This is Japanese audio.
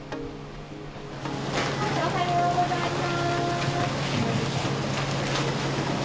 おはようございます。